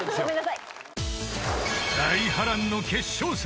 ［大波乱の決勝戦］